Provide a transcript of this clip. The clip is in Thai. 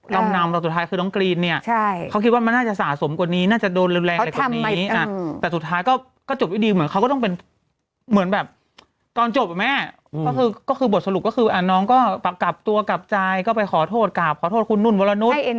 แล้วเมื่อ๒๗ปีแล้วเขาจบยังไงกันอ่ะ